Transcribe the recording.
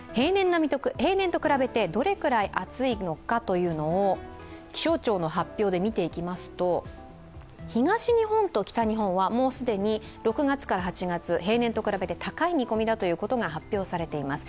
平年と比べてどのくらい暑いのかというのを気象庁の発表で見ていきますと東日本と北日本はもう既に６月から８月、平年と比べて高い見込みだということが発表されています。